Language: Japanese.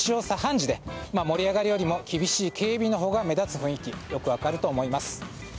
茶飯事で盛り上がりよりも厳しい警備のほうが目立つ雰囲気がよく分かると思います。